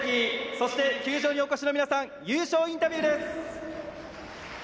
そして球場にお越しの皆さん優勝インタビューです。